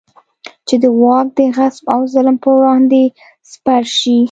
چې د واک د غصب او ظلم پر وړاندې سپر شي.